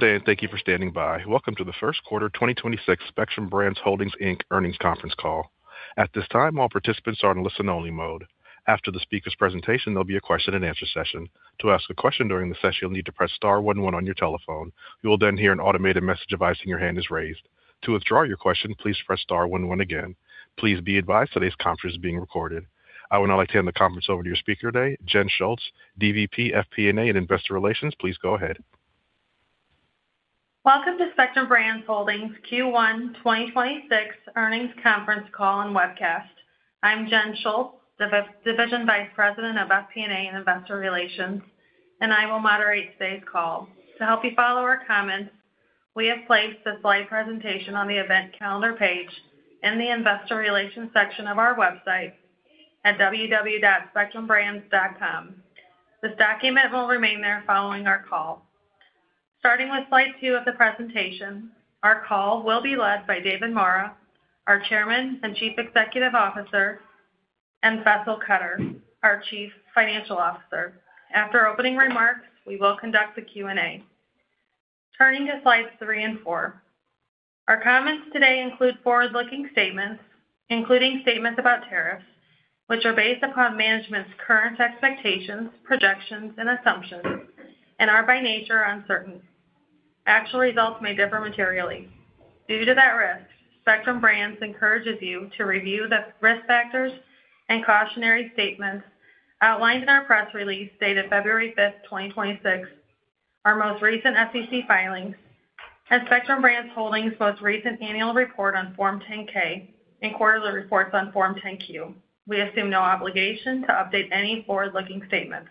Good day, and thank you for standing by. Welcome to the First Quarter 2026 Spectrum Brands Holdings, Inc. Earnings Conference Call. At this time, all participants are in listen-only mode. After the speaker's presentation, there'll be a question-and-answer session. To ask a question during the session, you'll need to press star one one on your telephone. You will then hear an automated message advising your hand is raised. To withdraw your question, please press star one one again. Please be advised today's conference is being recorded. I would now like to hand the conference over to your speaker today, Jen Schultz, DVP, FP&A, and Investor Relations. Please go ahead. Welcome to Spectrum Brands Holdings Q1 2026 Earnings Conference Call and webcast. I'm Jen Schultz, the Division Vice President of FP&A and Investor Relations, and I will moderate today's call. To help you follow our comments, we have placed the slide presentation on the event calendar page in the investor relations section of our website at www.spectrumbrands.com. This document will remain there following our call. Starting with slide 2 of the presentation, our call will be led by David Maura, our Chairman and Chief Executive Officer, and Faisal Qadir, our Chief Financial Officer. After opening remarks, we will conduct a Q&A. Turning to slides 3 and 4. Our comments today include forward-looking statements, including statements about tariffs, which are based upon management's current expectations, projections, and assumptions, and are by nature uncertain. Actual results may differ materially. Due to that risk, Spectrum Brands encourages you to review the risk factors and cautionary statements outlined in our press release dated February 5th, 2026, our most recent SEC filings, and Spectrum Brands Holdings' most recent annual report on Form 10-K and quarterly reports on Form 10-Q. We assume no obligation to update any forward-looking statements.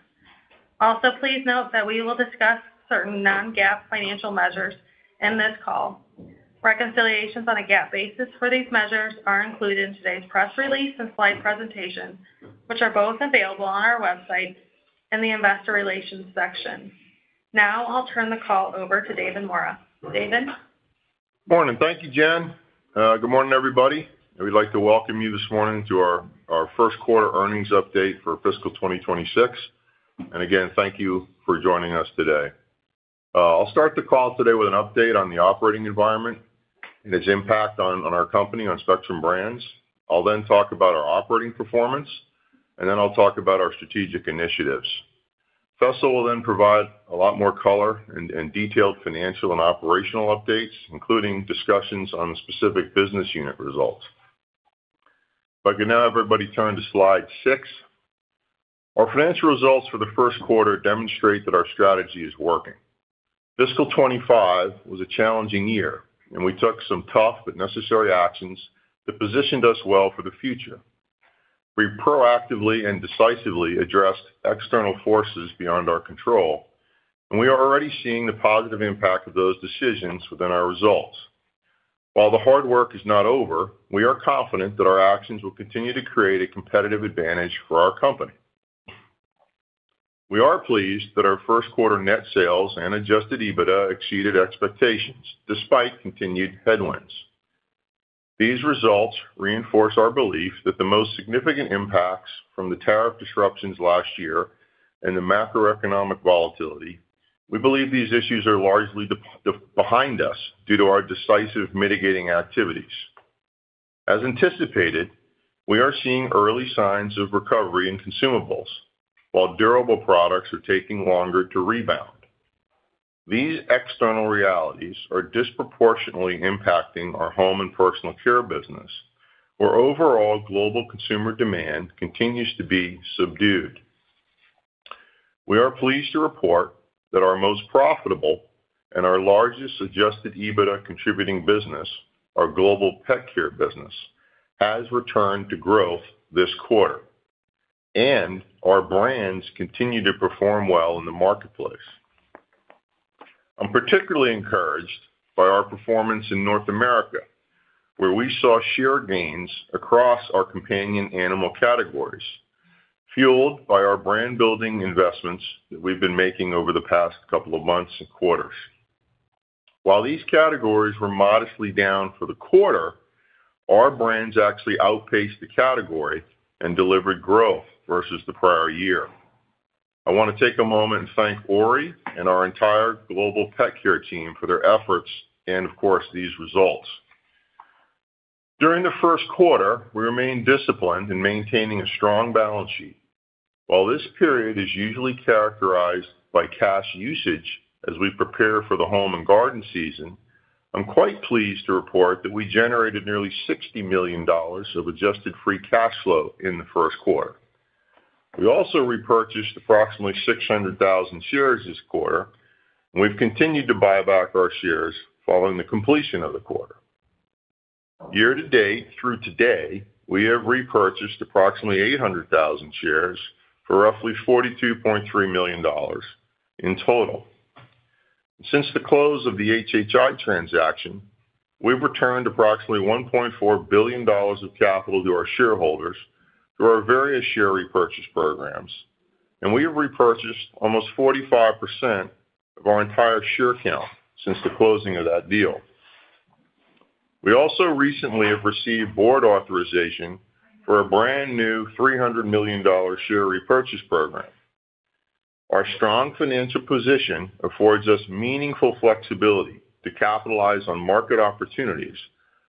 Also, please note that we will discuss certain non-GAAP financial measures in this call. Reconciliations on a GAAP basis for these measures are included in today's press release and slide presentation, which are both available on our website in the Investor Relations section. Now I'll turn the call over to David Maura. David? Morning. Thank you, Jen. Good morning, everybody, and we'd like to welcome you this morning to our, our first quarter earnings update for fiscal 2026. And again, thank you for joining us today. I'll start the call today with an update on the operating environment and its impact on, on our company, on Spectrum Brands. I'll then talk about our operating performance, and then I'll talk about our strategic initiatives. Faisal will then provide a lot more color and, and detailed financial and operational updates, including discussions on the specific business unit results. If I could now have everybody turn to slide 6. Our financial results for the first quarter demonstrate that our strategy is working. Fiscal 2025 was a challenging year, and we took some tough but necessary actions that positioned us well for the future. We proactively and decisively addressed external forces beyond our control, and we are already seeing the positive impact of those decisions within our results. While the hard work is not over, we are confident that our actions will continue to create a competitive advantage for our company. We are pleased that our first quarter net sales and adjusted EBITDA exceeded expectations, despite continued headwinds. These results reinforce our belief that the most significant impacts from the tariff disruptions last year and the macroeconomic volatility. We believe these issues are largely behind us due to our decisive mitigating activities. As anticipated, we are seeing early signs of recovery in consumables, while durable products are taking longer to rebound. These external realities are disproportionately impacting our Home and Personal Care business, where overall global consumer demand continues to be subdued. We are pleased to report that our most profitable and our largest Adjusted EBITDA-contributing business, our Global Pet Care business, has returned to growth this quarter, and our brands continue to perform well in the marketplace. I'm particularly encouraged by our performance in North America, where we saw share gains across our companion animal categories, fueled by our brand-building investments that we've been making over the past couple of months and quarters. While these categories were modestly down for the quarter, our brands actually outpaced the category and delivered growth versus the prior year. I wanna take a moment and thank Ori and our entire Global Pet Care team for their efforts and, of course, these results. During the first quarter, we remained disciplined in maintaining a strong balance sheet. While this period is usually characterized by cash usage as we prepare for the home and garden season, I'm quite pleased to report that we generated nearly $60 million of adjusted free cash flow in the first quarter. We also repurchased approximately 600,000 shares this quarter, and we've continued to buy back our shares following the completion of the quarter. Year to date, through today, we have repurchased approximately 800,000 shares for roughly $42.3 million in total. Since the close of the HHI transaction, we've returned approximately $1.4 billion of capital to our shareholders through our various share repurchase programs, and we have repurchased almost 45% of our entire share count since the closing of that deal. We also recently have received board authorization for a brand new $300 million share repurchase program. Our strong financial position affords us meaningful flexibility to capitalize on market opportunities,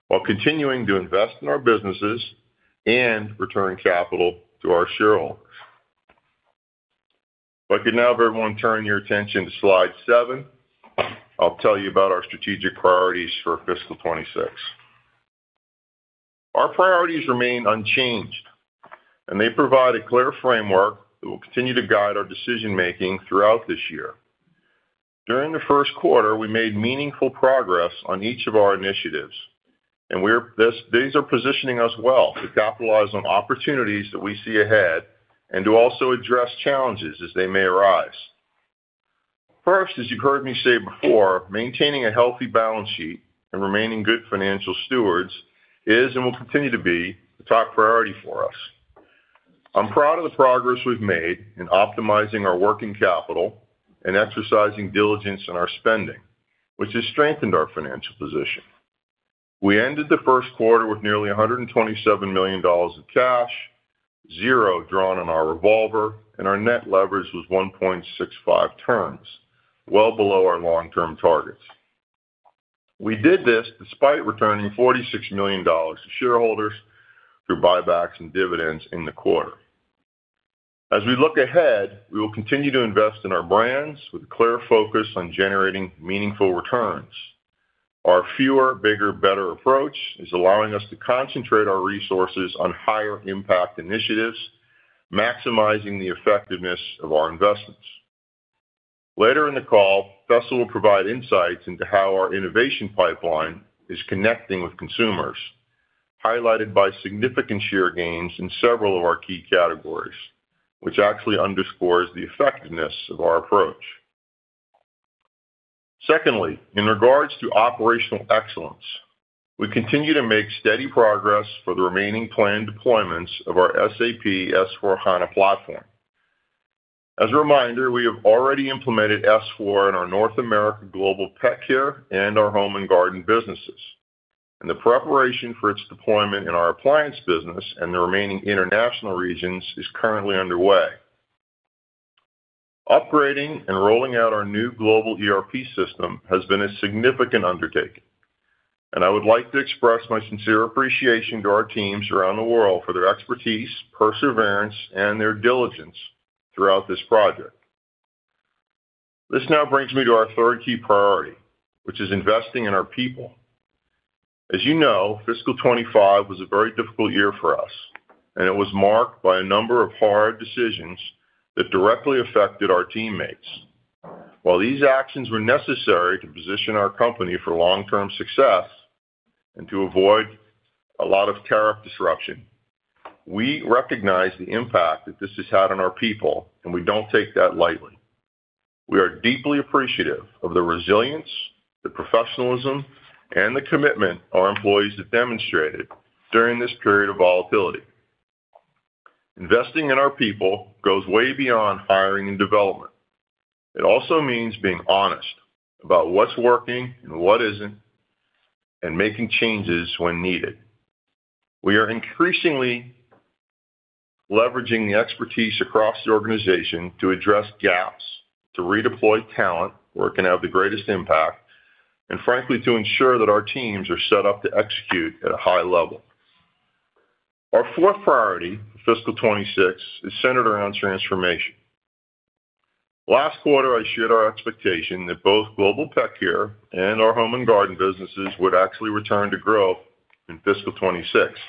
while continuing to invest in our businesses and return capital to our shareholders. If I could now have everyone turn your attention to slide 7, I'll tell you about our strategic priorities for fiscal 2026. Our priorities remain unchanged, and they provide a clear framework that will continue to guide our decision-making throughout this year. During the first quarter, we made meaningful progress on each of our initiatives, and these are positioning us well to capitalize on opportunities that we see ahead and to also address challenges as they may arise. First, as you've heard me say before, maintaining a healthy balance sheet and remaining good financial stewards is, and will continue to be, the top priority for us. I'm proud of the progress we've made in optimizing our working capital and exercising diligence in our spending, which has strengthened our financial position. We ended the first quarter with nearly $127 million in cash, 0 drawn on our revolver, and our net leverage was 1.65 times, well below our long-term targets. We did this despite returning $46 million to shareholders through buybacks and dividends in the quarter. As we look ahead, we will continue to invest in our brands with a clear focus on generating meaningful returns. Our fewer, bigger, better approach is allowing us to concentrate our resources on higher impact initiatives, maximizing the effectiveness of our investments. Later in the call, Faisal will provide insights into how our innovation pipeline is connecting with consumers, highlighted by significant share gains in several of our key categories, which actually underscores the effectiveness of our approach. Secondly, in regards to operational excellence, we continue to make steady progress for the remaining planned deployments of our SAP S/4HANA platform. As a reminder, we have already implemented S/4HANA in our North America Global Pet Care and our Home and Garden businesses, and the preparation for its deployment in our appliance business and the remaining international regions is currently underway. Upgrading and rolling out our new global ERP system has been a significant undertaking, and I would like to express my sincere appreciation to our teams around the world for their expertise, perseverance, and their diligence throughout this project. This now brings me to our third key priority, which is investing in our people. As you know, fiscal 2025 was a very difficult year for us, and it was marked by a number of hard decisions that directly affected our teammates. While these actions were necessary to position our company for long-term success and to avoid a lot of tariff disruption, we recognize the impact that this has had on our people, and we don't take that lightly. We are deeply appreciative of the resilience, the professionalism, and the commitment our employees have demonstrated during this period of volatility. Investing in our people goes way beyond hiring and development. It also means being honest about what's working and what isn't, and making changes when needed. We are increasingly leveraging the expertise across the organization to address gaps, to redeploy talent where it can have the greatest impact, and frankly, to ensure that our teams are set up to execute at a high level. Our fourth priority, fiscal 2026, is centered around transformation. Last quarter, I shared our expectation that both Global Pet Care and our Home and Garden businesses would actually return to growth in fiscal 2026.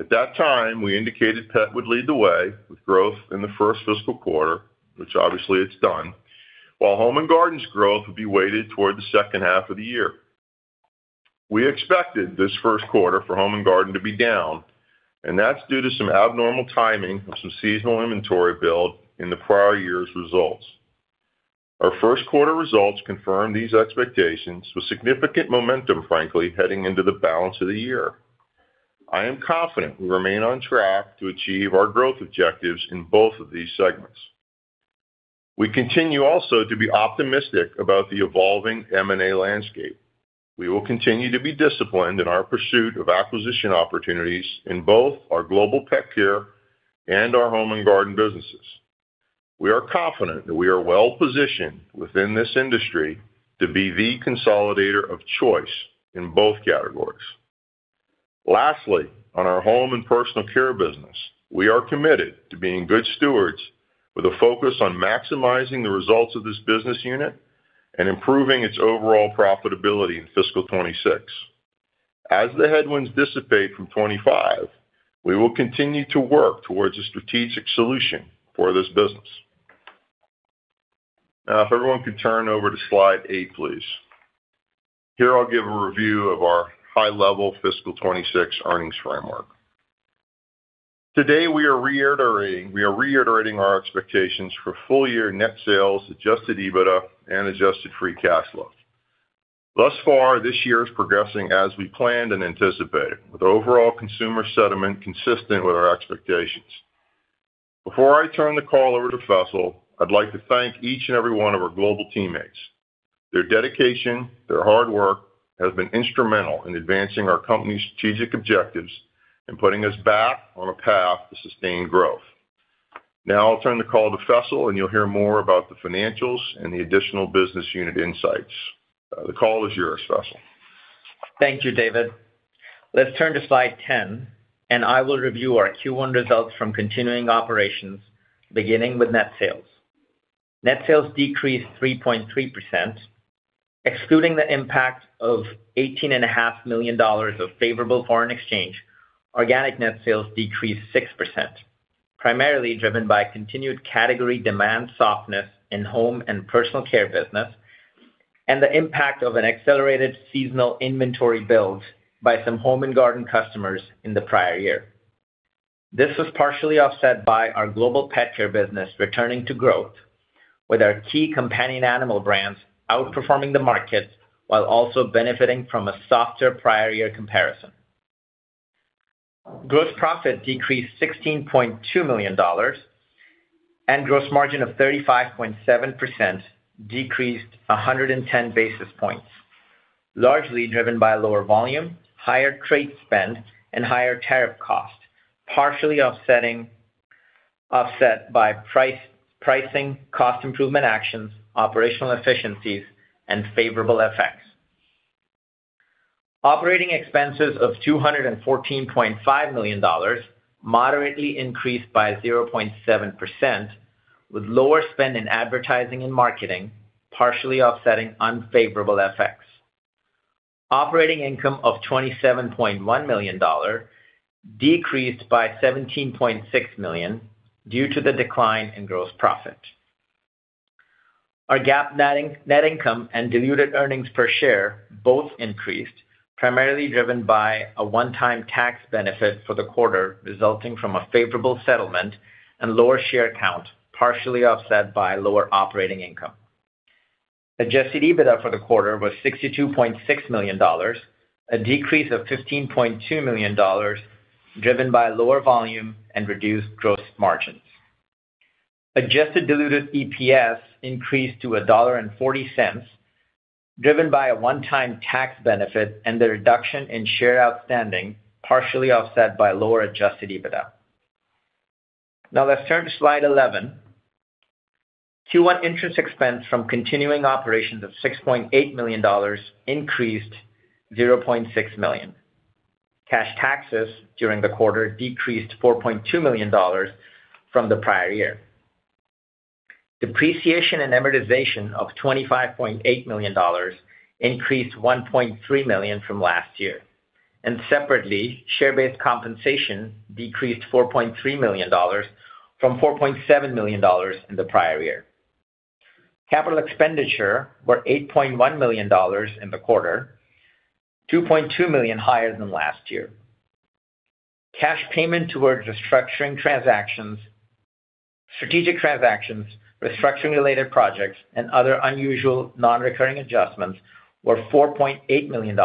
At that time, we indicated Pet would lead the way with growth in the first fiscal quarter, which obviously it's done, while Home and Garden's growth would be weighted toward the second half of the year. We expected this first quarter for Home and Garden to be down, and that's due to some abnormal timing of some seasonal inventory build in the prior year's results. Our first quarter results confirmed these expectations with significant momentum, frankly, heading into the balance of the year. I am confident we remain on track to achieve our growth objectives in both of these segments. We continue also to be optimistic about the evolving M&A landscape. We will continue to be disciplined in our pursuit of acquisition opportunities in both our Global Pet Care and our Home and Garden businesses. We are confident that we are well positioned within this industry to be the consolidator of choice in both categories. Lastly, on our Home and Personal Care business, we are committed to being good stewards with a focus on maximizing the results of this business unit and improving its overall profitability in fiscal 2026. As the headwinds dissipate from 2025, we will continue to work towards a strategic solution for this business. Now, if everyone could turn over to slide 8, please. Here, I'll give a review of our high-level fiscal 2026 earnings framework. Today, we are reiterating, we are reiterating our expectations for full-year net sales, Adjusted EBITDA, and Adjusted Free Cash Flow. Thus far, this year is progressing as we planned and anticipated, with overall consumer sentiment consistent with our expectations. Before I turn the call over to Faisal, I'd like to thank each and every one of our global teammates. Their dedication, their hard work, has been instrumental in advancing our company's strategic objectives and putting us back on a path to sustained growth. Now I'll turn the call to Faisal, and you'll hear more about the financials and the additional business unit insights. The call is yours, Faisal. Thank you, David. Let's turn to slide 10, and I will review our Q1 results from continuing operations, beginning with Net Sales. Net Sales decreased 3.3%. Excluding the impact of $18.5 million of favorable foreign exchange, Organic Net Sales decreased 6%, primarily driven by continued category demand softness in Home and Personal Care business, and the impact of an accelerated seasonal inventory build by some Home and Garden customers in the prior year. This was partially offset by our Global Pet Care business returning to growth, with our key companion animal brands outperforming the market while also benefiting from a softer prior year comparison. Gross profit decreased $16.2 million, and gross margin of 35.7% decreased 110 basis points, largely driven by lower volume, higher trade spend, and higher tariff cost, partially offset by pricing, cost improvement actions, operational efficiencies, and favorable FX. Operating expenses of $214.5 million moderately increased by 0.7%, with lower spend in advertising and marketing, partially offsetting unfavorable FX. Operating income of $27.1 million decreased by $17.6 million due to the decline in gross profit. Our GAAP net income and diluted earnings per share both increased, primarily driven by a one-time tax benefit for the quarter, resulting from a favorable settlement and lower share count, partially offset by lower operating income. Adjusted EBITDA for the quarter was $62.6 million, a decrease of $15.2 million, driven by lower volume and reduced gross margins. Adjusted diluted EPS increased to $1.40, driven by a one-time tax benefit and the reduction in share outstanding, partially offset by lower adjusted EBITDA. Now, let's turn to slide 11. Q1 interest expense from continuing operations of $6.8 million increased $0.6 million. Cash taxes during the quarter decreased $4.2 million from the prior year. Depreciation and amortization of $25.8 million increased $1.3 million from last year, and separately, share-based compensation decreased $4.3 million from $4.7 million in the prior year. Capital expenditure were $8.1 million in the quarter, $2.2 million higher than last year. Cash payments towards the structuring transactions, strategic transactions, restructuring-related projects, and other unusual non-recurring adjustments were $4.8 million,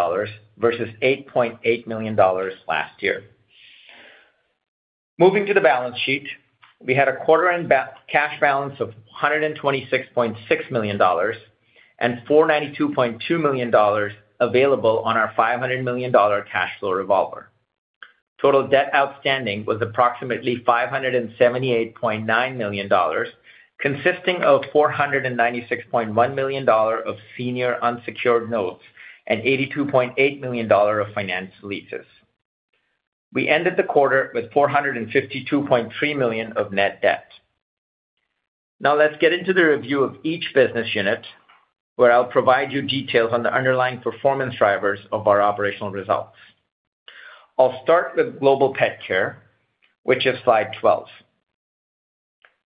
versus $8.8 million last year. Moving to the balance sheet, we had a quarter-end cash balance of $126.6 million, and $492.2 million available on our $500 million cash flow revolver. Total debt outstanding was approximately $578.9 million, consisting of $496.1 million of senior unsecured notes and $82.8 million of finance leases. We ended the quarter with $452.3 million of net debt. Now, let's get into the review of each business unit, where I'll provide you details on the underlying performance drivers of our operational results. I'll start with Global Pet Care, which is slide 12.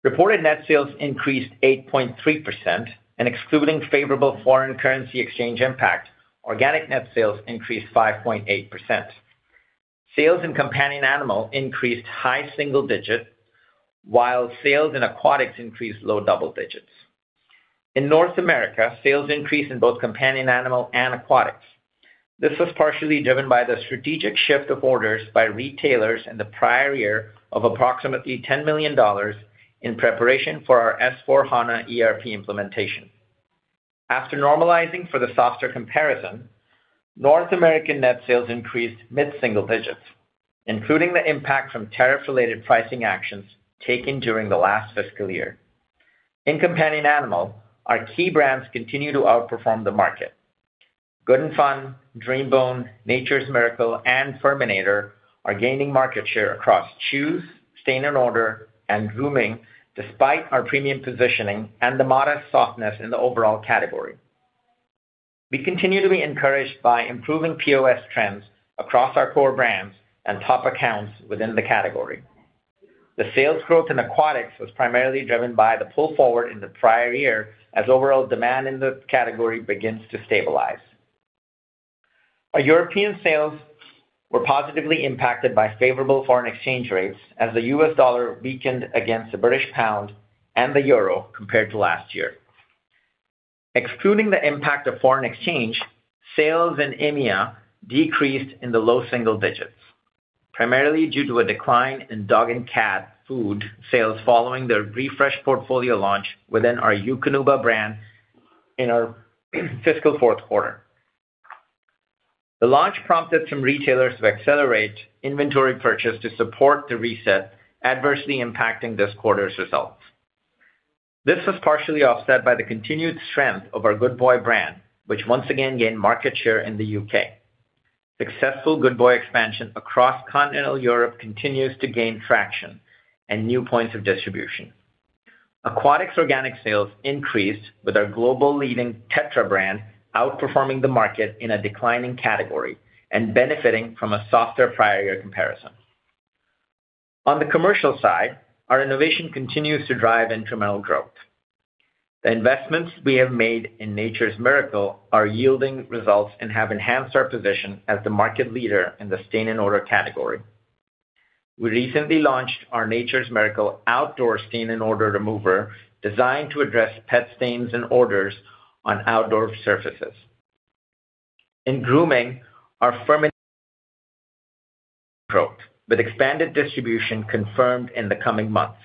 Reported net sales increased 8.3%, and excluding favorable foreign currency exchange impact, organic net sales increased 5.8%. Sales in companion animal increased high single digit, while sales in aquatics increased low double digits. In North America, sales increased in both companion animal and aquatics. This was partially driven by the strategic shift of orders by retailers in the prior year of approximately $10 million in preparation for our S/4HANA ERP implementation. After normalizing for the softer comparison, North American net sales increased mid-single digits, including the impact from tariff-related pricing actions taken during the last fiscal year. In companion animal, our key brands continue to outperform the market. Good 'n' Fun, DreamBone, Nature's Miracle, and FURminator are gaining market share across chews, stain and odor, and grooming, despite our premium positioning and the modest softness in the overall category. We continue to be encouraged by improving POS trends across our core brands and top accounts within the category. The sales growth in aquatics was primarily driven by the pull forward in the prior year as overall demand in the category begins to stabilize. Our European sales were positively impacted by favorable foreign exchange rates as the U.S. dollar weakened against the British pound and the euro compared to last year, excluding the impact of foreign exchange, sales in EMEA decreased in the low single digits, primarily due to a decline in dog and cat food sales following their refreshed portfolio launch within our Eukanuba brand in our fiscal fourth quarter. The launch prompted some retailers to accelerate inventory purchase to support the reset, adversely impacting this quarter's results. This was partially offset by the continued strength of our Good Boy brand, which once again gained market share in the UK. Successful Good Boy expansion across continental Europe continues to gain traction and new points of distribution. Aquatics organic sales increased, with our global leading Tetra brand outperforming the market in a declining category and benefiting from a softer prior year comparison. On the commercial side, our innovation continues to drive incremental growth. The investments we have made in Nature's Miracle are yielding results and have enhanced our position as the market leader in the stain and odor category. We recently launched our Nature's Miracle Outdoor Stain and Odor Remover, designed to address pet stains and odors on outdoor surfaces. In grooming, our FURminator growth, with expanded distribution confirmed in the coming months.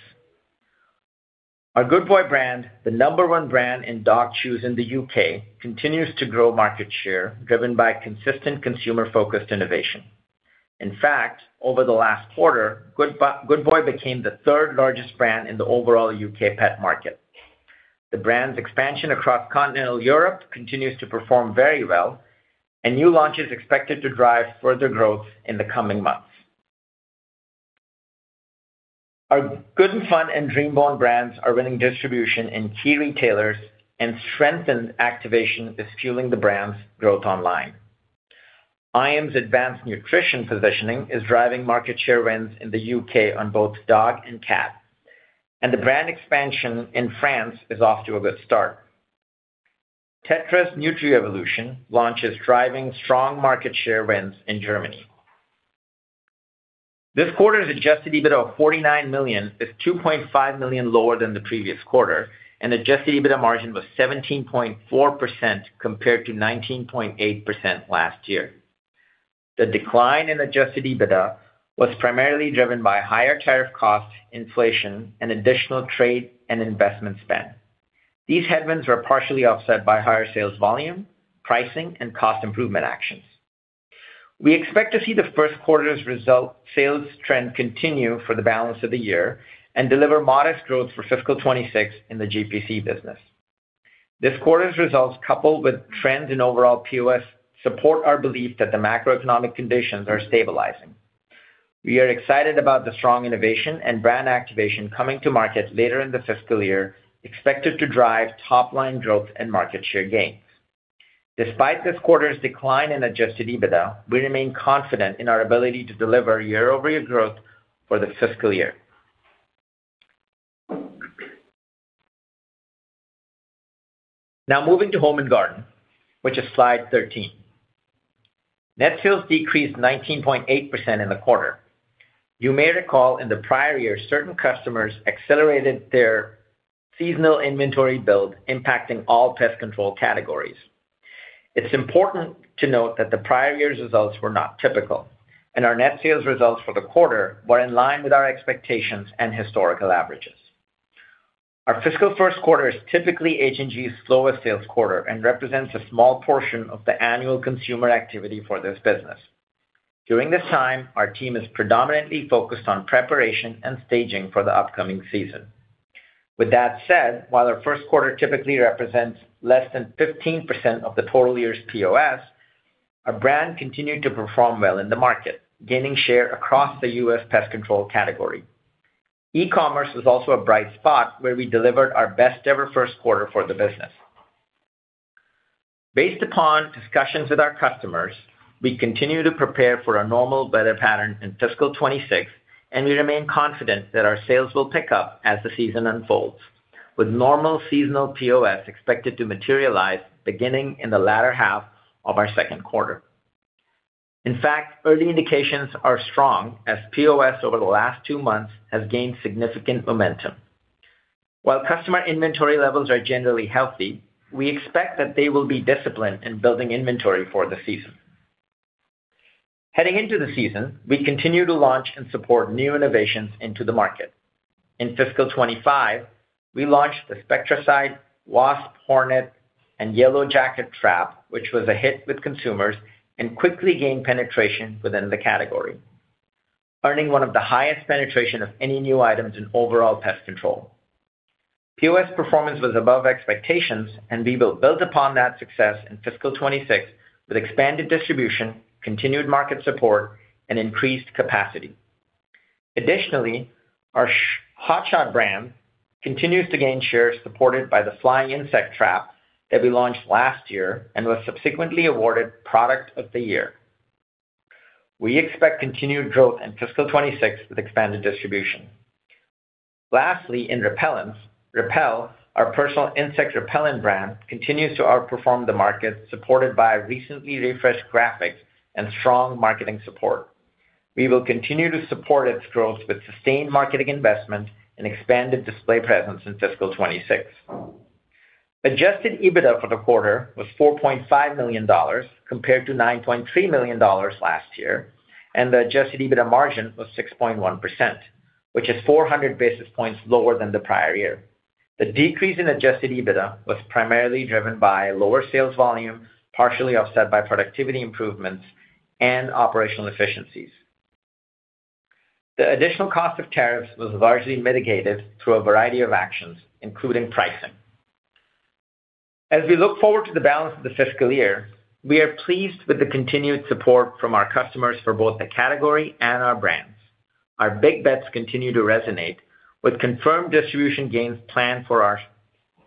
Our Good Boy brand, the number one brand in dog chews in the UK, continues to grow market share, driven by consistent consumer-focused innovation. In fact, over the last quarter, Good Boy, Good Boy became the third-largest brand in the overall UK pet market. The brand's expansion across continental Europe continues to perform very well, and new launch is expected to drive further growth in the coming months. Our Good 'n' Fun and DreamBone brands are winning distribution in key retailers, and strengthened activation is fueling the brand's growth online. IAMS's advanced nutrition positioning is driving market share wins in the UK on both dog and cat, and the brand expansion in France is off to a good start. Tetra's NutriEvolution launch is driving strong market share wins in Germany. This quarter's Adjusted EBITDA of $49 million is $2.5 million lower than the previous quarter, and Adjusted EBITDA margin was 17.4% compared to 19.8% last year. The decline in Adjusted EBITDA was primarily driven by higher tariff costs, inflation, and additional trade and investment spend. These headwinds were partially offset by higher sales volume, pricing, and cost improvement actions. We expect to see the first quarter's result sales trend continue for the balance of the year and deliver modest growth for fiscal 2026 in the GPC business. This quarter's results, coupled with trends in overall POS, support our belief that the macroeconomic conditions are stabilizing. We are excited about the strong innovation and brand activation coming to market later in the fiscal year, expected to drive top-line growth and market share gain. Despite this quarter's decline in adjusted EBITDA, we remain confident in our ability to deliver year-over-year growth for the fiscal year. Now, moving to Home and Garden, which is slide 13. Net sales decreased 19.8% in the quarter. You may recall in the prior year, certain customers accelerated their seasonal inventory build, impacting all pest control categories. It's important to note that the prior year's results were not typical, and our net sales results for the quarter were in line with our expectations and historical averages. Our fiscal first quarter is typically H&G's slowest sales quarter and represents a small portion of the annual consumer activity for this business. During this time, our team is predominantly focused on preparation and staging for the upcoming season. With that said, while our first quarter typically represents less than 15% of the total year's POS, our brand continued to perform well in the market, gaining share across the U.S. pest control category. E-commerce was also a bright spot, where we delivered our best-ever first quarter for the business. Based upon discussions with our customers, we continue to prepare for a normal weather pattern in fiscal 2026, and we remain confident that our sales will pick up as the season unfolds, with normal seasonal POS expected to materialize beginning in the latter half of our second quarter. In fact, early indications are strong as POS over the last two months has gained significant momentum. While customer inventory levels are generally healthy, we expect that they will be disciplined in building inventory for the season. Heading into the season, we continue to launch and support new innovations into the market. In fiscal 25, we launched the Spectracide Wasp, Hornet, and Yellow Jacket Trap, which was a hit with consumers and quickly gained penetration within the category, earning one of the highest penetration of any new items in overall pest control. POS performance was above expectations, and we will build upon that success in fiscal 26 with expanded distribution, continued market support, and increased capacity. Additionally, our Hot Shot brand continues to gain share, supported by the flying insect trap that we launched last year and was subsequently awarded Product of the Year. We expect continued growth in fiscal 26 with expanded distribution. Lastly, in repellents, Repel, our personal insect repellent brand, continues to outperform the market, supported by recently refreshed graphics and strong marketing support. We will continue to support its growth with sustained marketing investment and expanded display presence in fiscal 2026. Adjusted EBITDA for the quarter was $4.5 million, compared to $9.3 million last year, and the adjusted EBITDA margin was 6.1%, which is 400 basis points lower than the prior year. The decrease in adjusted EBITDA was primarily driven by lower sales volume, partially offset by productivity improvements and operational efficiencies. The additional cost of tariffs was largely mitigated through a variety of actions, including pricing. As we look forward to the balance of the fiscal year, we are pleased with the continued support from our customers for both the category and our brands. Our big bets continue to resonate with confirmed distribution gains planned for our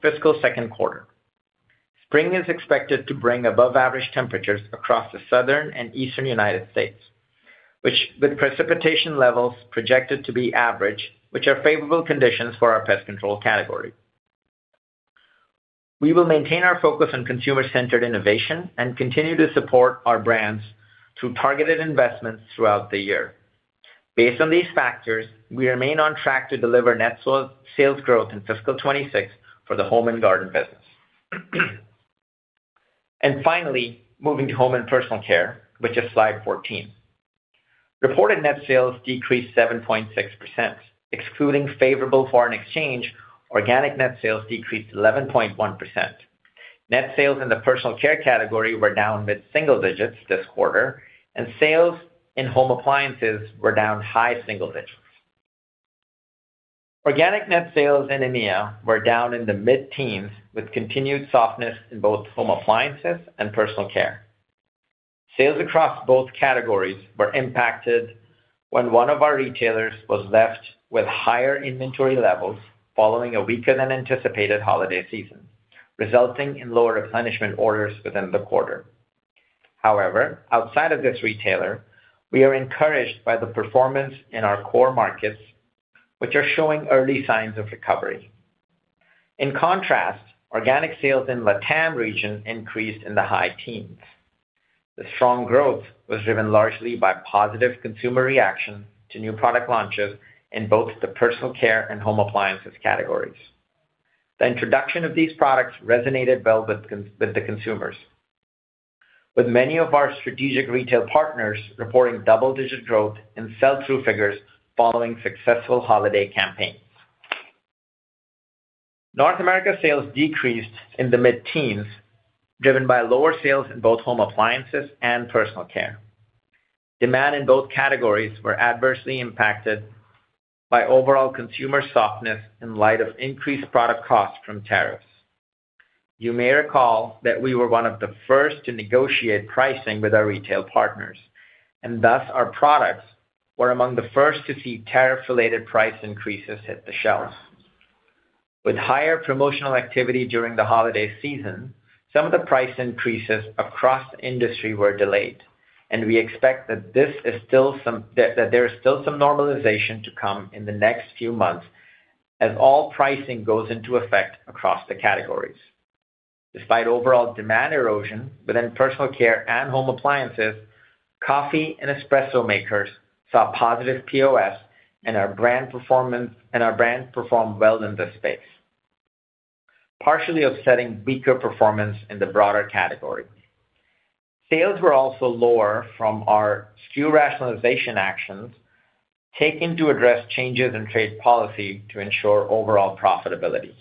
fiscal second quarter. Spring is expected to bring above-average temperatures across the Southern and Eastern United States, which, with precipitation levels projected to be average, which are favorable conditions for our pest control category. We will maintain our focus on consumer-centered innovation and continue to support our brands through targeted investments throughout the year. Based on these factors, we remain on track to deliver net sales, sales growth in fiscal 2026 for the home and garden business. And finally, moving to home and personal care, which is Slide 14. Reported net sales decreased 7.6%. Excluding favorable foreign exchange, organic net sales decreased 11.1%. Net sales in the personal care category were down mid-single digits this quarter, and sales in home appliances were down high single digits. Organic net sales in EMEA were down in the mid-teens, with continued softness in both home appliances and personal care. Sales across both categories were impacted when one of our retailers was left with higher inventory levels following a weaker than anticipated holiday season, resulting in lower replenishment orders within the quarter. However, outside of this retailer, we are encouraged by the performance in our core markets, which are showing early signs of recovery. In contrast, organic sales in LATAM region increased in the high teens. The strong growth was driven largely by positive consumer reaction to new product launches in both the personal care and home appliances categories. The introduction of these products resonated well with the consumers, with many of our strategic retail partners reporting double-digit growth in sell-through figures following successful holiday campaigns. North America sales decreased in the mid-teens, driven by lower sales in both home appliances and personal care. Demand in both categories were adversely impacted by overall consumer softness in light of increased product costs from tariffs. You may recall that we were one of the first to negotiate pricing with our retail partners, and thus our products were among the first to see tariff-related price increases hit the shelves. With higher promotional activity during the holiday season, some of the price increases across the industry were delayed, and we expect that there is still some normalization to come in the next few months as all pricing goes into effect across the categories. Despite overall demand erosion within personal care and home appliances, coffee and espresso makers saw positive POS, and our brands performed well in this space, partially offsetting weaker performance in the broader category. Sales were also lower from our SKU rationalization actions, taken to address changes in trade policy to ensure overall profitability.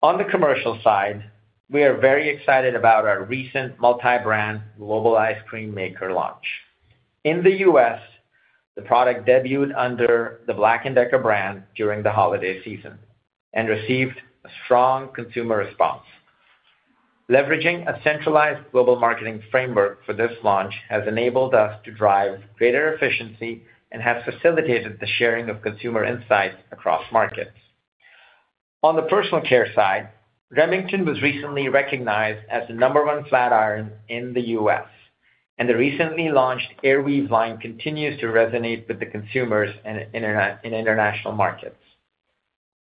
On the commercial side, we are very excited about our recent multi-brand global ice cream maker launch. In the U.S., the product debuted under the BLACK+DECKER brand during the holiday season and received a strong consumer response. Leveraging a centralized global marketing framework for this launch has enabled us to drive greater efficiency and has facilitated the sharing of consumer insights across markets. On the personal care side, Remington was recently recognized as the number one flat iron in the U.S., and the recently launched AirWeave line continues to resonate with the consumers in international markets.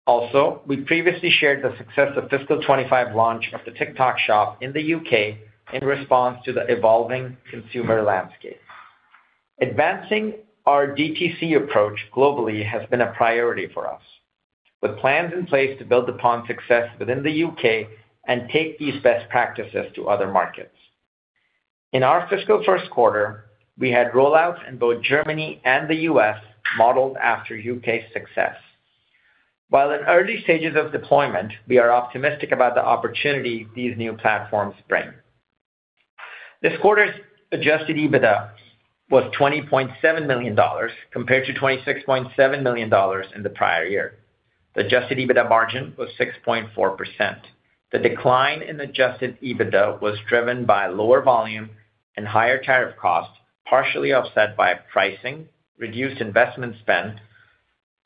Also, we previously shared the success of fiscal 2025 launch of the TikTok Shop in the U.K. in response to the evolving consumer landscape. Advancing our DTC approach globally has been a priority for us, with plans in place to build upon success within the U.K. and take these best practices to other markets. In our fiscal first quarter, we had rollouts in both Germany and the U.S. modeled after U.K.'s success. While in early stages of deployment, we are optimistic about the opportunity these new platforms bring. This quarter's adjusted EBITDA was $20.7 million, compared to $26.7 million in the prior year. The adjusted EBITDA margin was 6.4%. The decline in adjusted EBITDA was driven by lower volume and higher tariff costs, partially offset by pricing, reduced investment spend,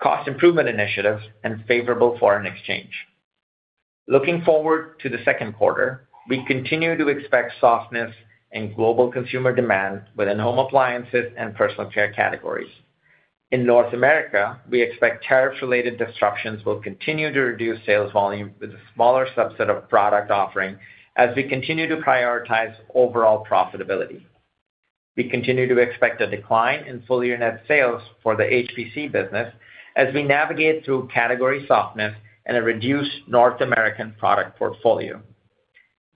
cost improvement initiatives, and favorable foreign exchange. Looking forward to the second quarter, we continue to expect softness in global consumer demand within home appliances and personal care categories. In North America, we expect tariff-related disruptions will continue to reduce sales volume with a smaller subset of product offering as we continue to prioritize overall profitability. We continue to expect a decline in full unit net sales for the HPC business as we navigate through category softness and a reduced North American product portfolio.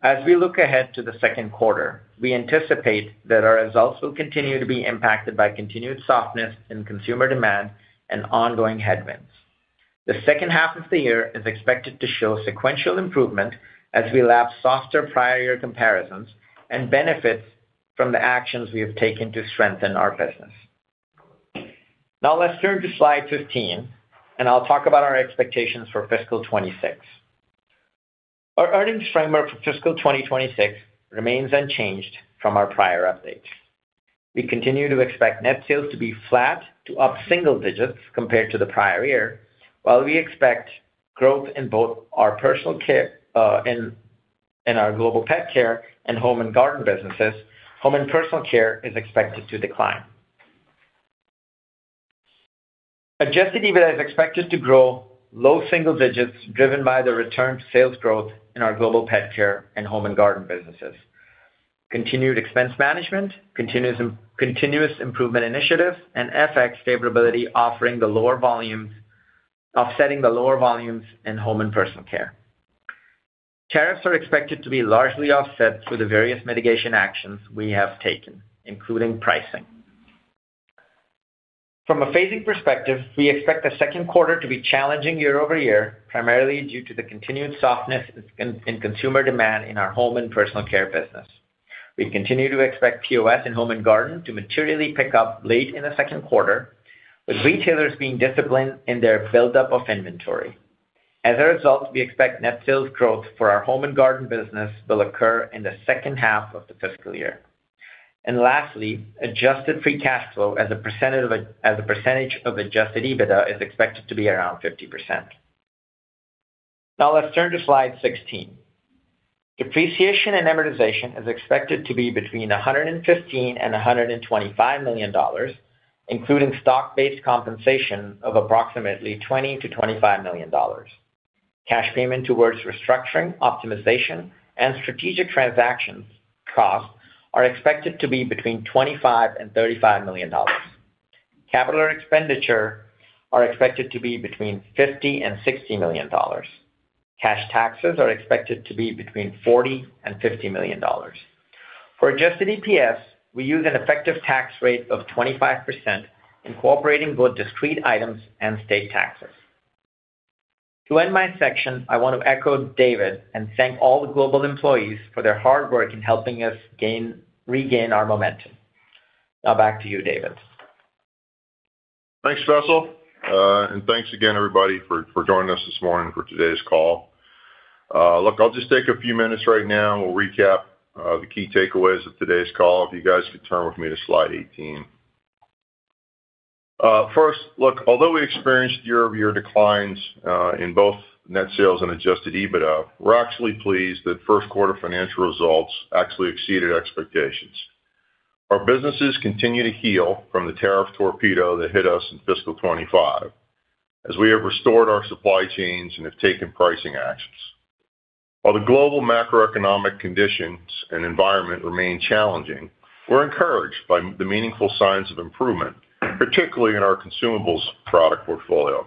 As we look ahead to the second quarter, we anticipate that our results will continue to be impacted by continued softness in consumer demand and ongoing headwinds. The second half of the year is expected to show sequential improvement as we lap softer prior year comparisons and benefits from the actions we have taken to strengthen our business. Now, let's turn to slide 15, and I'll talk about our expectations for fiscal 2026. Our earnings framework for fiscal 2026 remains unchanged from our prior update. We continue to expect net sales to be flat to up single digits compared to the prior year, while we expect growth in both our personal care, in our Global Pet Care and Home and Garden businesses, Home and Personal Care is expected to decline. Adjusted EBITDA is expected to grow low single digits, driven by the return to sales growth in our Global Pet Care and Home and Garden businesses. Continued expense management, continuous improvement initiatives, and FX favorability, offsetting the lower volumes in Home and Personal Care. Tariffs are expected to be largely offset through the various mitigation actions we have taken, including pricing. From a phasing perspective, we expect the second quarter to be challenging year-over-year, primarily due to the continued softness in consumer demand in our Home and Personal Care business. We continue to expect POS in Home and Garden to materially pick up late in the second quarter, with retailers being disciplined in their buildup of inventory. As a result, we expect net sales growth for our Home and Garden business will occur in the second half of the fiscal year. Lastly, adjusted free cash flow as a percentage of adjusted EBITDA is expected to be around 50%. Now, let's turn to slide 16. Depreciation and amortization is expected to be between $115 million and $125 million, including stock-based compensation of approximately $20 million-$25 million. Cash payments toward restructuring, optimization, and strategic transactions costs are expected to be between $25 million and $35 million. Capital expenditure are expected to be between $50 million and $60 million. Cash taxes are expected to be between $40 million and $50 million. For adjusted EPS, we use an effective tax rate of 25%, incorporating both discrete items and state taxes. To end my section, I want to echo David and thank all the global employees for their hard work in helping us regain our momentum. Now back to you, David. Thanks, Faisal. And thanks again, everybody, for joining us this morning for today's call. Look, I'll just take a few minutes right now, and we'll recap the key takeaways of today's call. If you guys could turn with me to slide 18. First, look, although we experienced year-over-year declines in both net sales and Adjusted EBITDA, we're actually pleased that first quarter financial results actually exceeded expectations. Our businesses continue to heal from the tariff torpedo that hit us in fiscal 2025, as we have restored our supply chains and have taken pricing actions. While the global macroeconomic conditions and environment remain challenging, we're encouraged by the meaningful signs of improvement, particularly in our consumables product portfolio.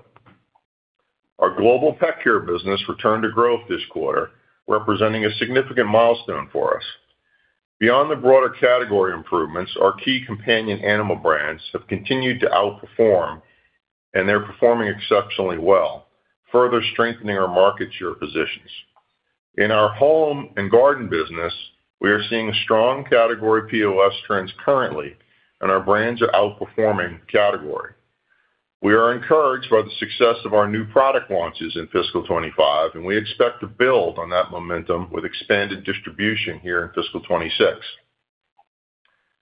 Our Global Pet Care business returned to growth this quarter, representing a significant milestone for us. Beyond the broader category improvements, our key companion animal brands have continued to outperform, and they're performing exceptionally well, further strengthening our market share positions. In our Home and Garden business, we are seeing strong category POS trends currently, and our brands are outperforming category. We are encouraged by the success of our new product launches in fiscal 2025, and we expect to build on that momentum with expanded distribution here in fiscal 2026.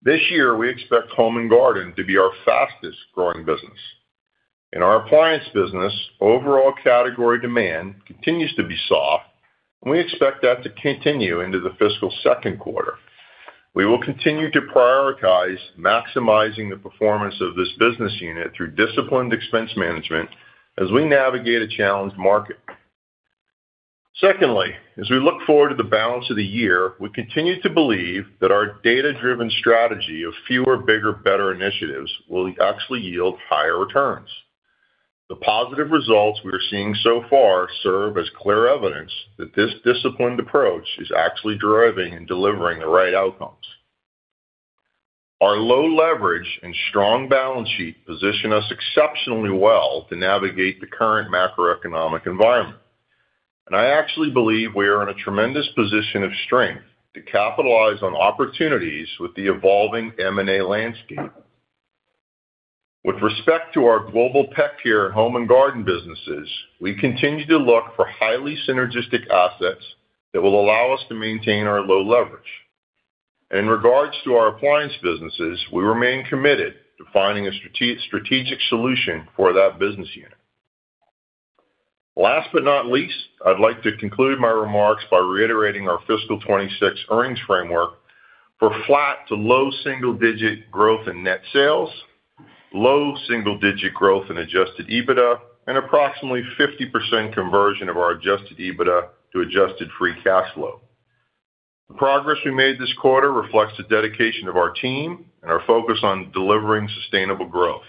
This year, we expect Home and Garden to be our fastest-growing business. In our appliance business, overall category demand continues to be soft, and we expect that to continue into the fiscal second quarter. We will continue to prioritize maximizing the performance of this business unit through disciplined expense management as we navigate a challenged market. Secondly, as we look forward to the balance of the year, we continue to believe that our data-driven strategy of fewer, bigger, better initiatives will actually yield higher returns. The positive results we are seeing so far serve as clear evidence that this disciplined approach is actually driving and delivering the right outcomes. Our low leverage and strong balance sheet position us exceptionally well to navigate the current macroeconomic environment, and I actually believe we are in a tremendous position of strength to capitalize on opportunities with the evolving M&A landscape. With respect to our Global Pet Care and Home and Garden businesses, we continue to look for highly synergistic assets that will allow us to maintain our low leverage. In regards to our appliance businesses, we remain committed to finding a strategic solution for that business unit. Last but not least, I'd like to conclude my remarks by reiterating our fiscal 2026 earnings framework for flat to low single-digit growth in net sales, low single-digit growth in Adjusted EBITDA, and approximately 50% conversion of our Adjusted EBITDA to Adjusted Free Cash Flow. The progress we made this quarter reflects the dedication of our team and our focus on delivering sustainable growth.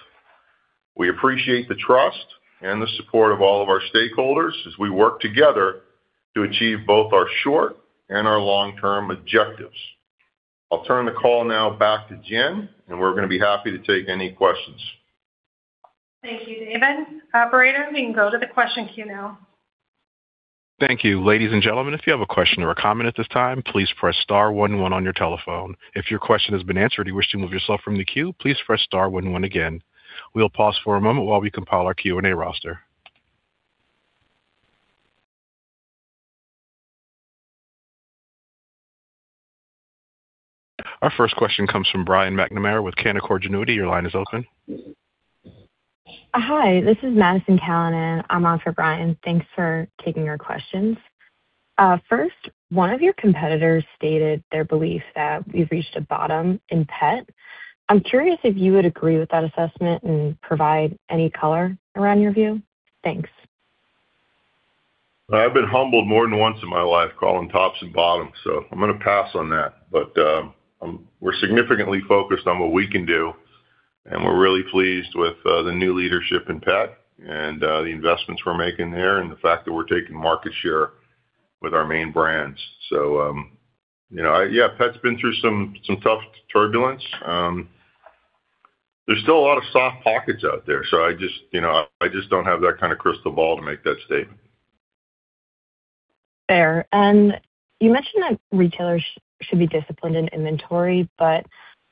We appreciate the trust and the support of all of our stakeholders as we work together to achieve both our short- and long-term objectives. I'll turn the call now back to Jen, and we're gonna be happy to take any questions. Thank you, David. Operator, we can go to the question queue now. Thank you. Ladies and gentlemen, if you have a question or a comment at this time, please press star one one on your telephone. If your question has been answered or you wish to move yourself from the queue, please press star one one again. We'll pause for a moment while we compile our Q&A roster. Our first question comes from Brian McNamara with Canaccord Genuity. Your line is open. Hi, this is Madison Callinan. I'm on for Brian. Thanks for taking our questions. First, one of your competitors stated their belief that we've reached a bottom in pet. I'm curious if you would agree with that assessment and provide any color around your view. Thanks. I've been humbled more than once in my life, calling tops and bottoms, so I'm gonna pass on that. But, we're significantly focused on what we can do, and we're really pleased with the new leadership in pet and the investments we're making there, and the fact that we're taking market share with our main brands. So, you know, yeah, pet's been through some tough turbulence. There's still a lot of soft pockets out there, so I just, you know, I just don't have that kind of crystal ball to make that statement. Fair. You mentioned that retailers should be disciplined in inventory, but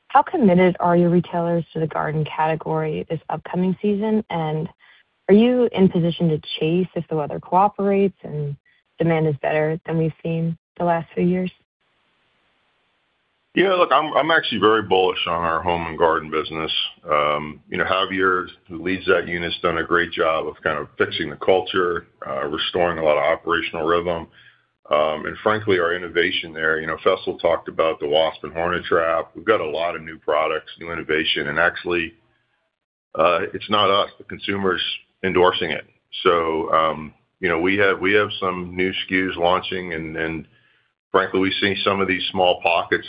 how committed are your retailers to the garden category this upcoming season? Are you in position to chase if the weather cooperates and demand is better than we've seen the last few years? Yeah, look, I'm actually very bullish on our Home and Garden business. You know, Javier, who leads that unit, has done a great job of kind of fixing the culture, restoring a lot of operational rhythm, and frankly, our innovation there. You know, Faisal talked about the wasp and hornet trap. We've got a lot of new products, new innovation, and actually, it's not us, the consumer's endorsing it. So, you know, we have some new SKUs launching, and frankly, we see some of these small pockets,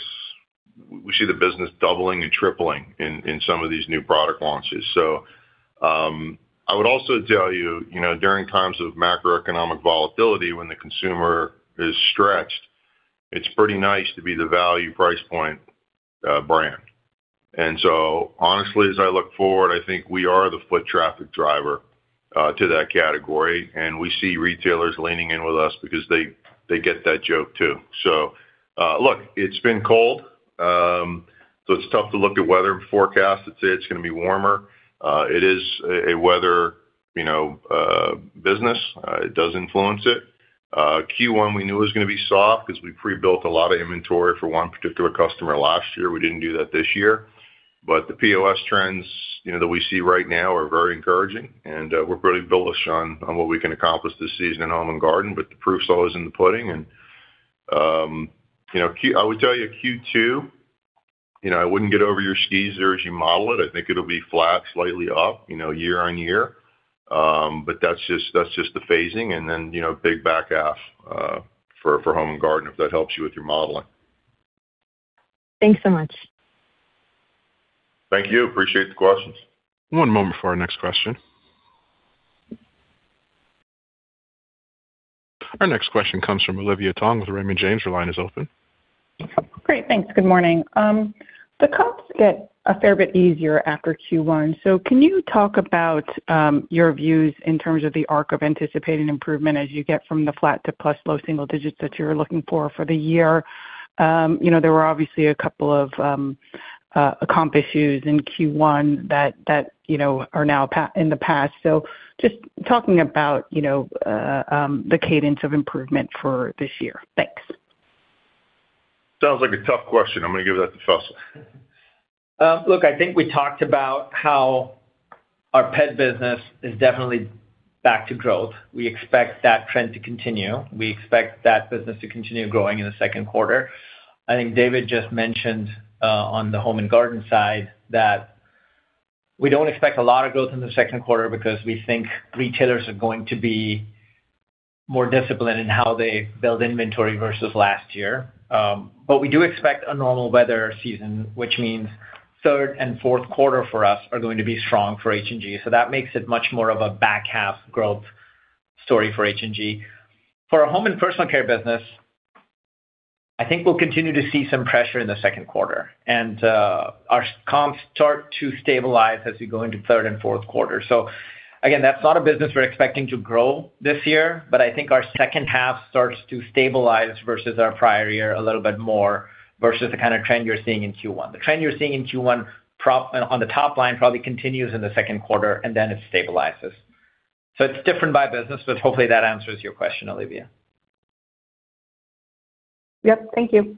we see the business doubling and tripling in some of these new product launches. So, I would also tell you, you know, during times of macroeconomic volatility, when the consumer is stretched, it's pretty nice to be the value price point, brand. And so honestly, as I look forward, I think we are the foot traffic driver to that category, and we see retailers leaning in with us because they, they get that joke, too. So, look, it's been cold, so it's tough to look at weather forecasts and say it's gonna be warmer. It is a weather, you know, business. It does influence it. Q1 we knew was gonna be soft because we pre-built a lot of inventory for one particular customer last year. We didn't do that this year. But the POS trends, you know, that we see right now are very encouraging, and, we're pretty bullish on, on what we can accomplish this season in home and garden. But the proof is always in the pudding, and, you know.. I would tell you Q2, you know, I wouldn't get over your skis there as you model it. I think it'll be flat, slightly up, you know, year-over-year. But that's just, that's just the phasing and then, you know, big back half for Home and Garden, if that helps you with your modeling. Thanks so much. Thank you. Appreciate the questions. One moment for our next question. Our next question comes from Olivia Tong with Raymond James. Your line is open. Great. Thanks. Good morning. The comps get a fair bit easier after Q1, so can you talk about, your views in terms of the arc of anticipating improvement as you get from the flat to plus low single digits that you're looking for for the year? You know, there were obviously a couple of, comp issues in Q1 that, you know, are now in the past. So just talking about, you know, the cadence of improvement for this year. Thanks. Sounds like a tough question. I'm gonna give that to Faisal. Look, I think we talked about how our pet business is definitely back to growth. We expect that trend to continue. We expect that business to continue growing in the second quarter. I think David just mentioned on the home and garden side that we don't expect a lot of growth in the second quarter because we think retailers are going to be more disciplined in how they build inventory versus last year. But we do expect a normal weather season, which means third and fourth quarter for us are going to be strong for H&G, so that makes it much more of a back half growth story for H&G. For our home and personal care business, I think we'll continue to see some pressure in the second quarter and our comps start to stabilize as we go into third and fourth quarter. So again, that's not a business we're expecting to grow this year, but I think our second half starts to stabilize versus our prior year, a little bit more, versus the kind of trend you're seeing in Q1. The trend you're seeing in Q1, probably on the top line, continues in the second quarter, and then it stabilizes. So it's different by business, but hopefully that answers your question, Olivia. Yep, thank you.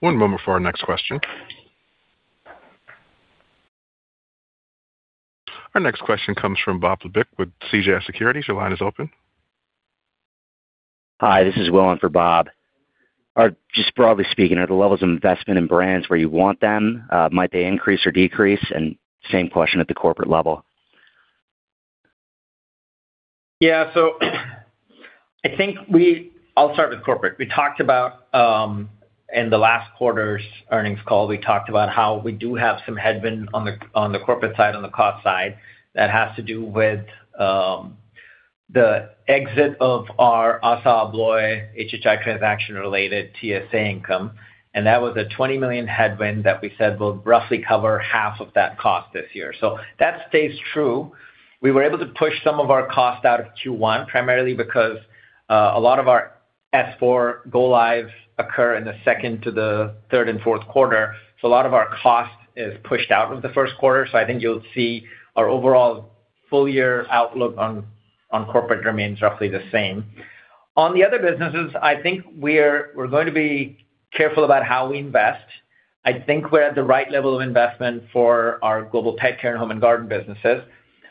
One moment for our next question. Our next question comes from Bob Labick with CJS Securities. Your line is open. Hi, this is Will in for Bob. Just broadly speaking, are the levels of investment in brands where you want them? Might they increase or decrease? Same question at the corporate level. Yeah, so I think we'll start with corporate. We talked about, in the last quarter's earnings call, we talked about how we do have some headwind on the, on the corporate side, on the cost side. That has to do with, the exit of our ASSA ABLOY HHI transaction-related TSA income, and that was a $20 million headwind that we said will roughly cover half of that cost this year. So that stays true. We were able to push some of our costs out of Q1, primarily because, a lot of our S/4 go-lives occur in the second to the third and fourth quarter. So a lot of our cost is pushed out of the first quarter. So I think you'll see our overall full year outlook on, on corporate remains roughly the same. On the other businesses, I think we're going to be careful about how we invest. I think we're at the right level of investment for our Global Pet Care and Home and Garden businesses.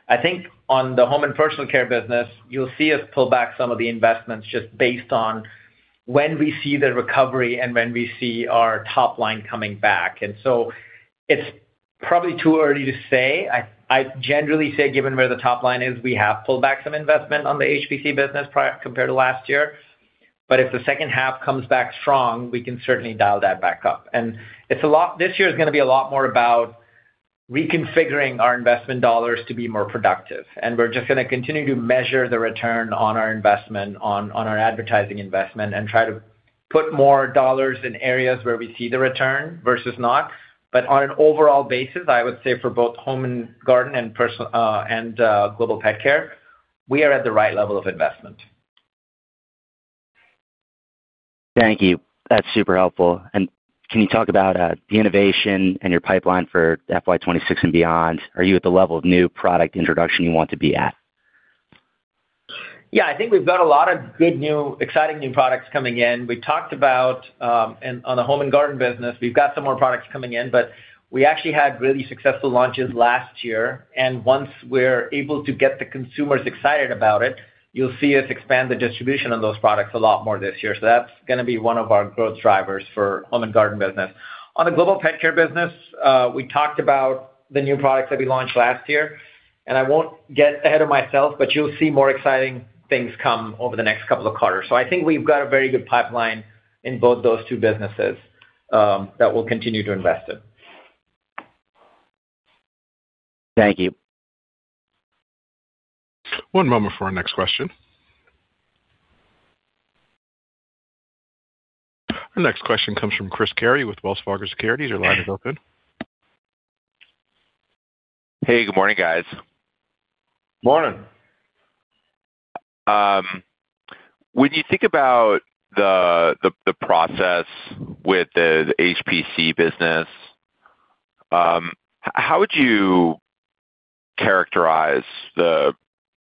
I think on the Home and Personal Care business, you'll see us pull back some of the investments just based on when we see the recovery and when we see our top line coming back. So it's probably too early to say. I generally say, given where the top line is, we have pulled back some investment on the HPC business compared to last year, but if the second half comes back strong, we can certainly dial that back up. It's a lot, this year is gonna be a lot more about reconfiguring our investment dollars to be more productive, and we're just gonna continue to measure the return on our investment on our advertising investment, and try to put more dollars in areas where we see the return versus not. But on an overall basis, I would say for both Home and Garden and Personal, and Global Pet Care, we are at the right level of investment. Thank you. That's super helpful. Can you talk about the innovation and your pipeline for FY 2026 and beyond? Are you at the level of new product introduction you want to be at? Yeah, I think we've got a lot of good, new, exciting new products coming in. We talked about, and on the Home and Garden business, we've got some more products coming in, but we actually had really successful launches last year, and once we're able to get the consumers excited about it, you'll see us expand the distribution of those products a lot more this year. So that's gonna be one of our growth drivers for Home and Garden business. On the Global Pet Care business, we talked about the new products that we launched last year, and I won't get ahead of myself, but you'll see more exciting things come over the next couple of quarters. So I think we've got a very good pipeline in both those two businesses, that we'll continue to invest in. Thank you. One moment for our next question. Our next question comes from Chris Carey with Wells Fargo Securities. Your line is open. Hey, good morning, guys. Morning. When you think about the process with the HPC business, how would you characterize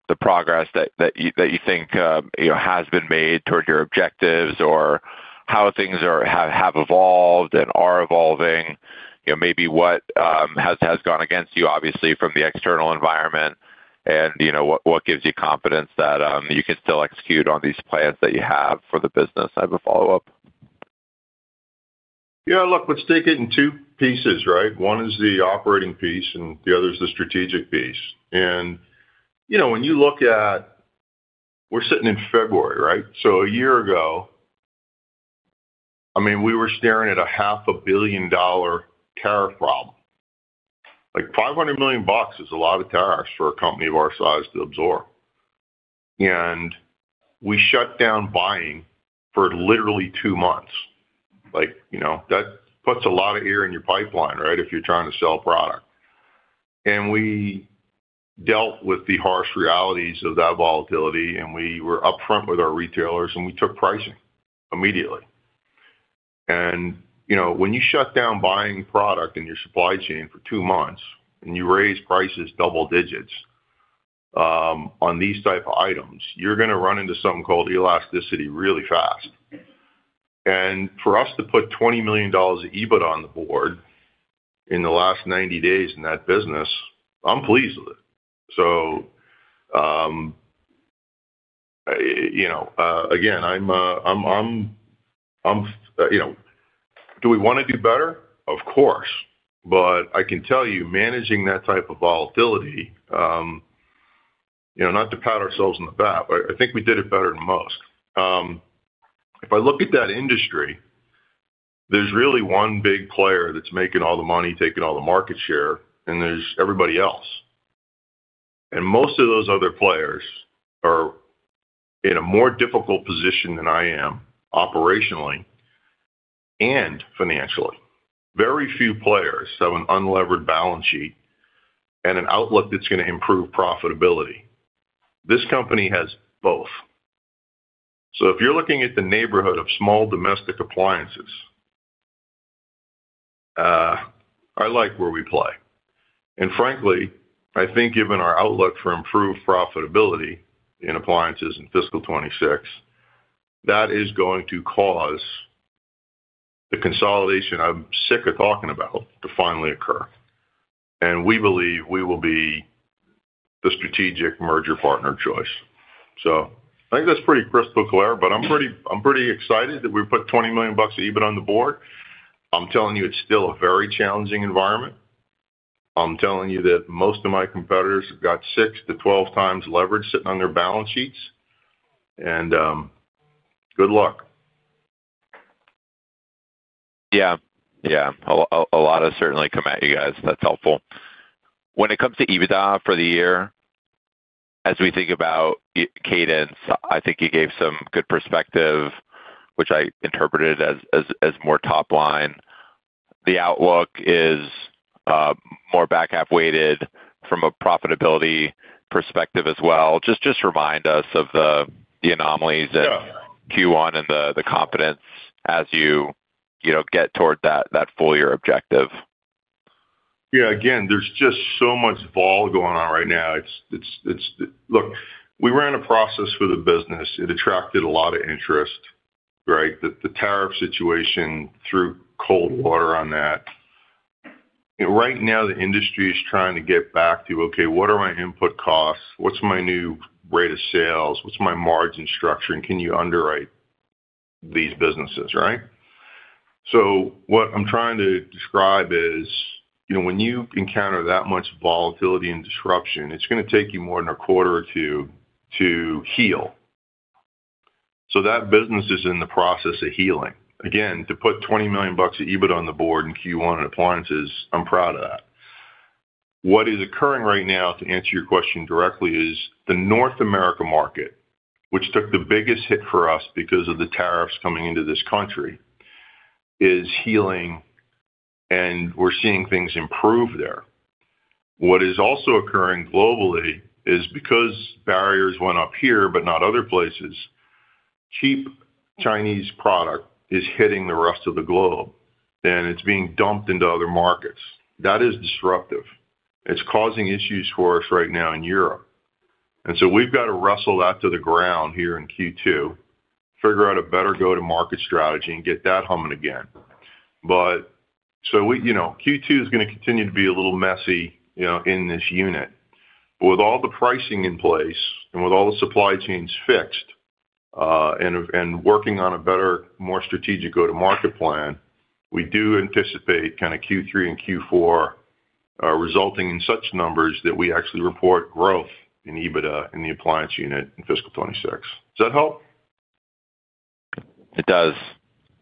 the progress that you think, you know, has been made toward your objectives or how things are—have evolved and are evolving? You know, maybe what has gone against you, obviously, from the external environment, and, you know, what gives you confidence that you can still execute on these plans that you have for the business? I have a follow-up. Yeah, look, let's take it in two pieces, right? One is the operating piece, and the other is the strategic piece. And, you know, when you look at... We're sitting in February, right? So a year ago, I mean, we were staring at a $500 million tariff problem. Like, $500 million is a lot of tariffs for a company of our size to absorb. And we shut down buying for literally two months. Like, you know, that puts a lot of air in your pipeline, right, if you're trying to sell product. And we dealt with the harsh realities of that volatility, and we were upfront with our retailers, and we took pricing immediately. You know, when you shut down buying product in your supply chain for two months, and you raise prices double digits, on these type of items, you're gonna run into something called elasticity really fast. And for us to put $20 million EBIT on the board in the last 90 days in that business, I'm pleased with it. So, you know, again, I'm... You know, do we wanna do better? Of course. But I can tell you, managing that type of volatility, you know, not to pat ourselves on the back, but I think we did it better than most. If I look at that industry, there's really one big player that's making all the money, taking all the market share, and there's everybody else. And most of those other players are in a more difficult position than I am, operationally and financially. Very few players have an unlevered balance sheet and an outlook that's gonna improve profitability. This company has both. So if you're looking at the neighborhood of small domestic appliances. I like where we play. And frankly, I think given our outlook for improved profitability in appliances in fiscal 2026, that is going to cause the consolidation I'm sick of talking about to finally occur, and we believe we will be the strategic merger partner choice. So I think that's pretty crystal clear, but I'm pretty, I'm pretty excited that we put $20 million of EBIT on the board. I'm telling you, it's still a very challenging environment. I'm telling you that most of my competitors have got 6-12 times leverage sitting on their balance sheets, and good luck. Yeah. Yeah. A lot of certainly come at you guys. That's helpful. When it comes to EBITDA for the year, as we think about the cadence, I think you gave some good perspective, which I interpreted as more top line. The outlook is more back half weighted from a profitability perspective as well. Just remind us of the anomalies that- Yeah Q1 and the confidence as you know get toward that full year objective. Yeah, again, there's just so much vol going on right now. It's— Look, we ran a process for the business. It attracted a lot of interest, right? The tariff situation threw cold water on that. Right now, the industry is trying to get back to, okay, what are my input costs? What's my new rate of sales? What's my margin structure? And can you underwrite these businesses, right? So what I'm trying to describe is, you know, when you encounter that much volatility and disruption, it's gonna take you more than a quarter or two to heal. So that business is in the process of healing. Again, to put $20 million of EBIT on the board in Q1 in appliances, I'm proud of that. What is occurring right now, to answer your question directly, is the North America market, which took the biggest hit for us because of the tariffs coming into this country, is healing, and we're seeing things improve there. What is also occurring globally is because barriers went up here, but not other places, cheap Chinese product is hitting the rest of the globe, and it's being dumped into other markets. That is disruptive. It's causing issues for us right now in Europe. And so we've got to wrestle that to the ground here in Q2, figure out a better go-to-market strategy, and get that humming again. But so we, you know, Q2 is gonna continue to be a little messy, you know, in this unit. But with all the pricing in place and with all the supply chains fixed, and working on a better, more strategic go-to-market plan, we do anticipate kind of Q3 and Q4 resulting in such numbers that we actually report growth in EBITDA in the appliance unit in fiscal 2026. Does that help? It does.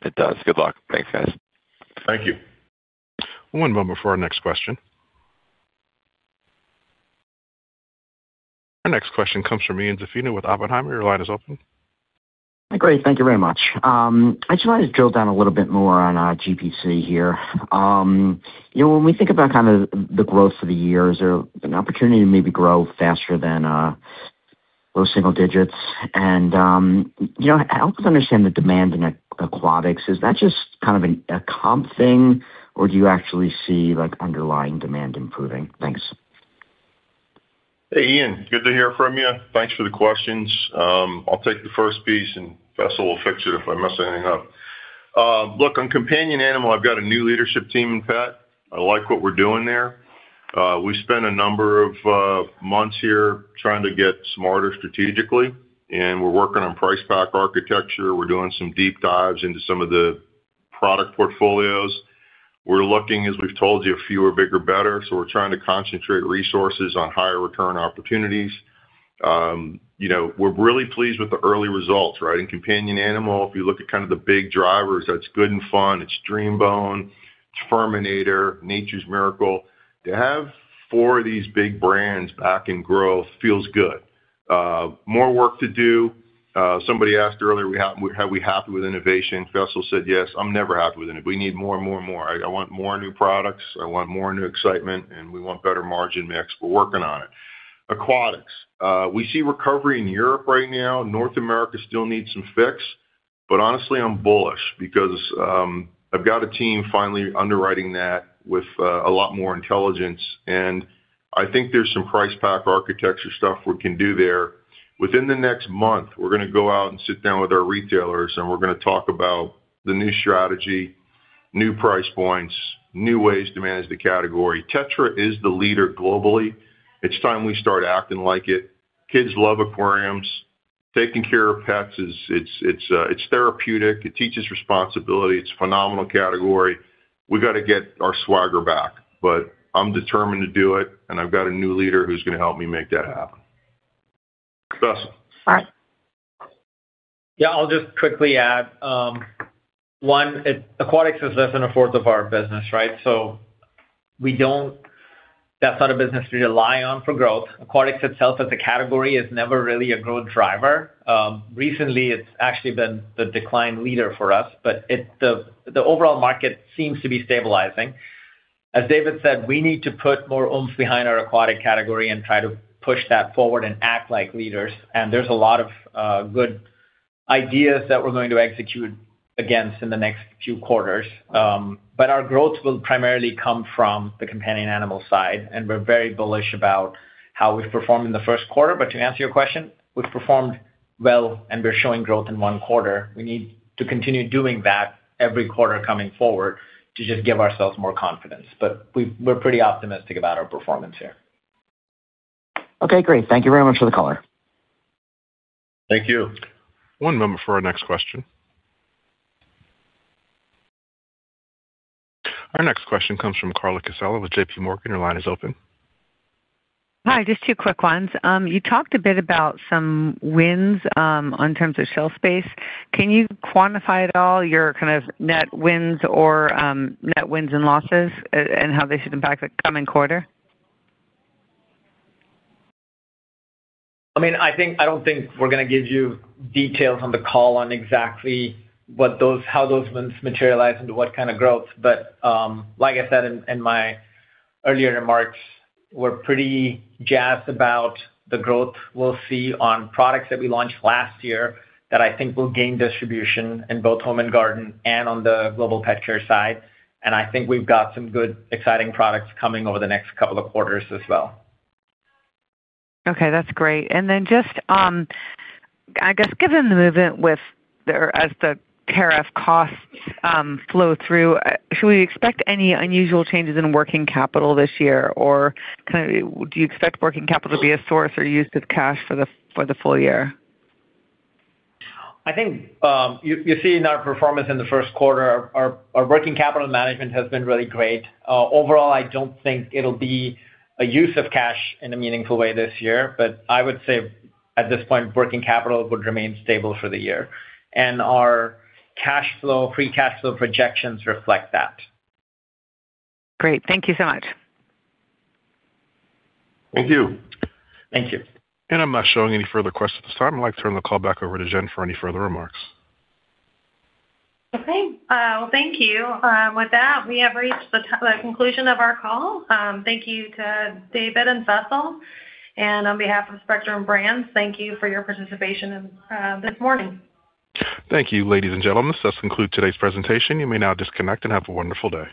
It does. Good luck. Thanks, guys. Thank you. One moment for our next question. Our next question comes from Ian Zaffino with Oppenheimer. Your line is open. Great. Thank you very much. I just wanna drill down a little bit more on our GPC here. You know, when we think about kind of the growth for the year, is there an opportunity to maybe grow faster than those single digits? And, you know, I also understand the demand in aquatics. Is that just kind of a comp thing, or do you actually see, like, underlying demand improving? Thanks. Hey, Ian, good to hear from you. Thanks for the questions. I'll take the first piece, and Faisal will fix it if I mess anything up. Look, on companion animal, I've got a new leadership team in pet. I like what we're doing there. We spent a number of months here trying to get smarter strategically, and we're working on price pack architecture. We're doing some deep dives into some of the product portfolios. We're looking, as we've told you, fewer, bigger, better, so we're trying to concentrate resources on higher return opportunities. You know, we're really pleased with the early results, right? In companion animal, if you look at kind of the big drivers, that's Good 'n' Fun. It's DreamBone, it's FURminator, Nature's Miracle. To have four of these big brands back in growth feels good. More work to do. Somebody asked earlier, are we happy with innovation? Faisal said, yes. I'm never happy with innovation. We need more and more and more. I want more new products, I want more new excitement, and we want better margin mix. We're working on it. Aquatics. We see recovery in Europe right now. North America still needs some fix, but honestly, I'm bullish because I've got a team finally underwriting that with a lot more intelligence, and I think there's some price pack architecture stuff we can do there. Within the next month, we're gonna go out and sit down with our retailers, and we're gonna talk about the new strategy, new price points, new ways to manage the category. Tetra is the leader globally. It's time we start acting like it. Kids love aquariums. Taking care of pets is, it's therapeutic. It teaches responsibility. It's a phenomenal category. We've got to get our swagger back, but I'm determined to do it, and I've got a new leader who's gonna help me make that happen. Faisal? Yeah, I'll just quickly add, one, aquatics is less than a fourth of our business, right? So that's not a business we rely on for growth. Aquatics itself as a category is never really a growth driver. Recently, it's actually been the decline leader for us, but the overall market seems to be stabilizing. As David said, we need to put more oomph behind our aquatic category and try to push that forward and act like leaders. And there's a lot of good... ideas that we're going to execute against in the next few quarters. But our growth will primarily come from the companion animal side, and we're very bullish about how we've performed in the first quarter. But to answer your question, we've performed well, and we're showing growth in one quarter. We need to continue doing that every quarter coming forward to just give ourselves more confidence. But we're pretty optimistic about our performance here. Okay, great. Thank you very much for the call. Thank you. One moment for our next question. Our next question comes from Carla Casella with JPMorgan. Your line is open. Hi, just two quick ones. You talked a bit about some wins on terms of shelf space. Can you quantify at all your kind of net wins or net wins and losses, and how they should impact the coming quarter? I mean, I think, I don't think we're gonna give you details on the call on exactly what those, how those wins materialize into what kind of growth. But, like I said in, in my earlier remarks, we're pretty jazzed about the growth we'll see on products that we launched last year, that I think will gain distribution in both Home and Garden and on the Global Pet Care side. And I think we've got some good, exciting products coming over the next couple of quarters as well. Okay, that's great. And then just, I guess, given the movement with the... As the tariff costs flow through, should we expect any unusual changes in working capital this year? Or kinda, do you expect working capital to be a source or use of cash for the full year? I think, you see in our performance in the first quarter, our working capital management has been really great. Overall, I don't think it'll be a use of cash in a meaningful way this year, but I would say, at this point, working capital would remain stable for the year, and our cash flow, free cash flow projections reflect that. Great. Thank you so much. Thank you. Thank you. I'm not showing any further questions at this time. I'd like to turn the call back over to Jen for any further remarks. Okay, well, thank you. With that, we have reached the conclusion of our call. Thank you to David and Faisal, and on behalf of Spectrum Brands, thank you for your participation in this morning. Thank you, ladies and gentlemen. This concludes today's presentation. You may now disconnect and have a wonderful day.